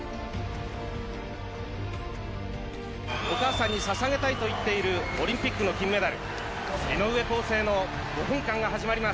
お母さんにささげたいと言っているオリンピックの金メダル。